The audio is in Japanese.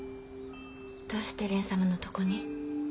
どうして蓮様のとこに？